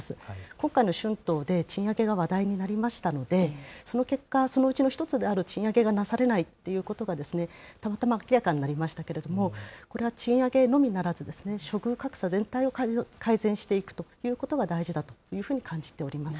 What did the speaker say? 今回の春闘で賃上げが話題になりましたので、その結果、そのうちの一つである賃上げがなされないっていうことが、たまたま明らかになりましたけれども、これは賃上げのみならず、処遇格差全体を改善していくということが大事だというふうに感じております。